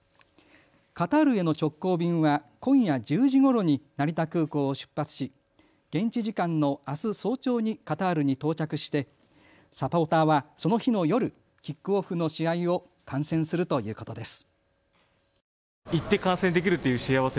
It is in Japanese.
カタールへの直行便は今夜１０時ごろに成田空港を出発し、現地時間のあす早朝にカタールに到着してサポーターはその日の夜、キックオフの試合を観戦するということです。